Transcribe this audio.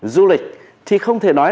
du lịch thì không thể nói